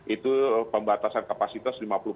itu pembatasan kapasitas lima puluh